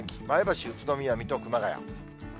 前橋、宇都宮、水戸、熊谷。